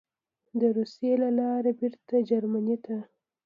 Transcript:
د روسیې له لارې بېرته جرمني ته: